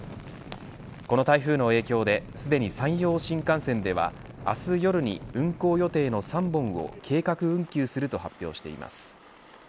この台風の影響ですでに山陽新幹線では明日夜に運行予定の３本を計画運休すると発表しています。